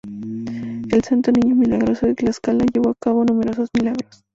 El Santo Niño Milagrosos de Tlaxcala llevó al cabo numerosos milagros.